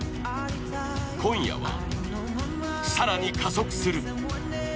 今夜は、更に加速する。